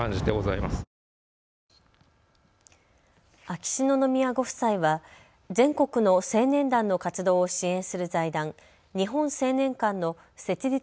秋篠宮ご夫妻は全国の青年団の活動を支援する財団、日本青年館の設立